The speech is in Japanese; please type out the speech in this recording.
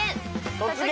「突撃！